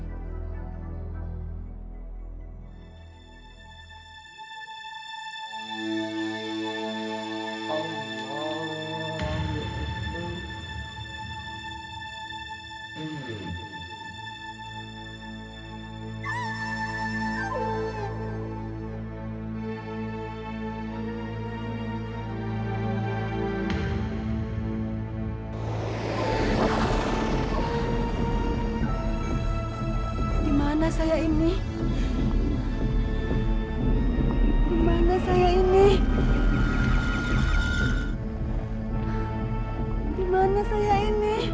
alhamdulillah pak elmi